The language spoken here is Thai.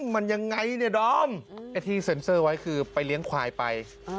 มันยังไงเนี่ยดอมไอ้ที่เซ็นเซอร์ไว้คือไปเลี้ยงควายไป